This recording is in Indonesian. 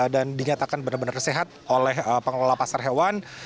dan dinyatakan benar benar sehat oleh pengelola pasar hewan